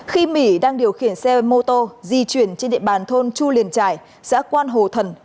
khi my đang điều khiển xe mô tô di chuyển trên địa bàn thôn chu liền trải xã quan hồ thần